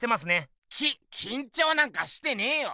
ききんちょうなんかしてねえよ。